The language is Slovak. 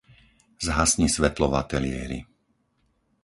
Zhasni svetlo v ateliéri.